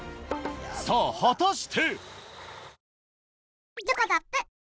さぁ果たして？